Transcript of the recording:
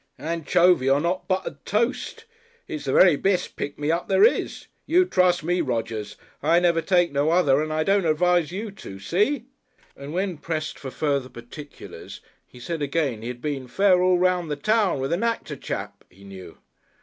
"Anchovy on 'ot buttered toast. It's the very best pick me up there is. You trust me, Rodgers. I never take no other and I don't advise you to. See?" And when pressed for further particulars, he said again he had been "fair all round the town, with a Nactor chap" he knew.